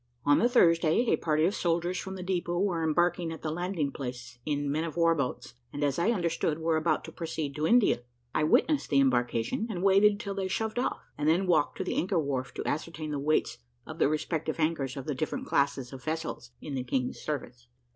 On the Thursday, a party of soldiers from the depot were embarking at the landing place in men of war boats, and, as I understood, were about to proceed to India. I witnessed the embarkation, and waited till they shoved off, and then walked to the anchor wharf to ascertain the weights of the respective anchors of the different classes of vessels in the King's service.